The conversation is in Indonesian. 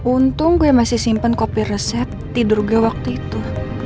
untung gue masih simpen kopi resep tidur gue waktu itu